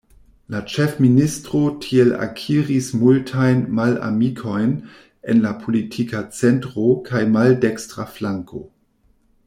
La ĉefministro tiel akiris multajn malamikojn en la politika centro kaj maldekstra flanko.